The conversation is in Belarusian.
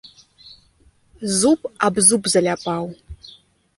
Зуб аб зуб заляпаў.